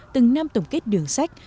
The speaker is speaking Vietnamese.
từng năm tổng kết đường sách